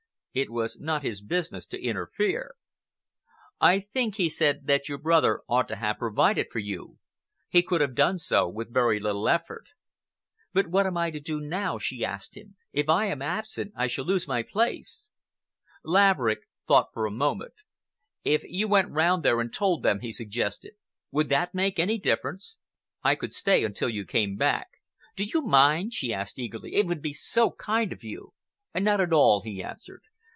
It was not his business to interfere. "I think," he said, "that your brother ought to have provided for you. He could have done so with very little effort." "But what am I to do now?" she asked him. "If I am absent, I shall lose my place." Laverick thought for a moment. "If you went round there and told them," he suggested, "would that make any difference? I could stay until you came back." "Do you mind?" she asked eagerly. "It would be so kind of you." "Not at all," he answered.